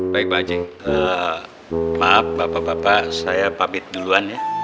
baik mbak anjing maaf bapak bapak saya pamit duluan ya